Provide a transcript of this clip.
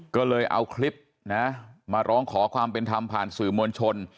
ก็เลยเอาคลิปนะมาร้องขอความเป็นธรรมผ่านสื่อมวลชน